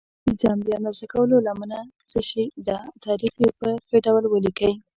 پنځم: د اندازه کولو لمنه څه شي ده؟ تعریف یې په ښه ډول ولیکئ.